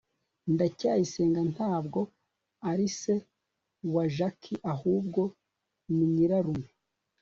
ndacyayisenga ntabwo ari se wa jaki, ahubwo ni nyirarume